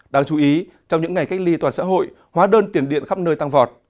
đáng chú ý trong những ngày cách ly toàn xã hội hóa đơn tiền điện khắp nơi tăng vọt